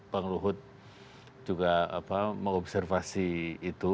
bang luhut juga mengobservasi itu